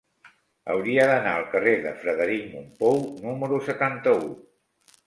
Hauria d'anar al carrer de Frederic Mompou número setanta-u.